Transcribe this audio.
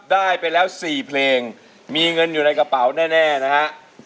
ได้ไปแล้ว๔เพลงมีเงินอยู่ในกระเป๋าแน่นะฮะ